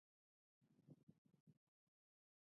د تذکرو ویش عاید لري